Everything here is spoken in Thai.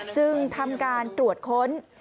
จึงทำการตรวจค้น